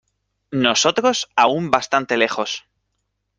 nosotros, aún bastante lejos